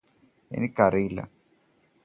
എനിക്ക് അറിയില്ല